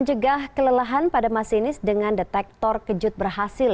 menjegah kelelahan pada masinis dengan detektor kejut berhasil